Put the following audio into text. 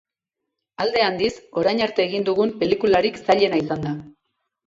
Alde handiz, orain arte egin dugun pelikularik zailena izan da.